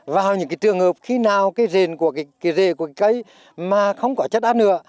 vào những trường hợp khi nào cái rền của cái cây mà không có chất ăn nữa